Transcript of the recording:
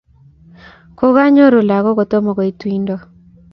kokakoruyo lagok kotomo ko it tuindo